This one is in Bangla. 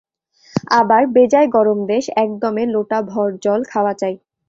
আবার বেজায় গরম দেশ, এক দমে লোটা-ভর জল খাওয়া চাই।